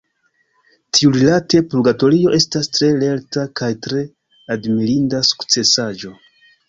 Tiurilate, Purgatorio estas tre lerta kaj tre admirinda sukcesaĵo.